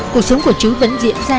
cuộc xuống của trứng vẫn diễn ra